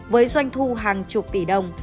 với doanh thu hàng chục tỷ đồng